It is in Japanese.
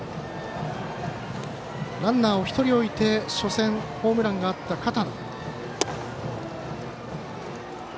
ランナーを１人置いて初戦、ホームランがあった片野。